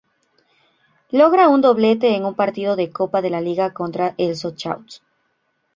Logra un doblete en un partido de Copa de la Liga contra el Sochaux.